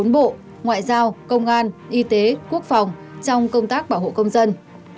trong công tác bảo hộ công dân